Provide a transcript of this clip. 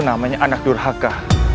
namanya anak durhaka